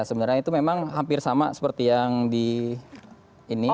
sebenarnya itu memang hampir sama seperti yang di ini